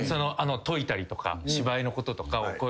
説いたりとか芝居のこととかを。